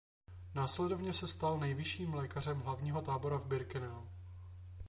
Následovně se stal nejvyšším lékařem hlavního tábora v Birkenau.